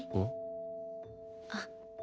あっ。